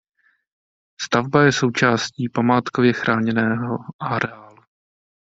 Stavba je součástí památkově chráněného areálu.